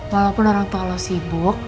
walaupun orang tua sibuk